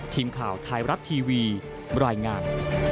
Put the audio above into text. ทีมข่าวไทยรัฐทีวีรายงาน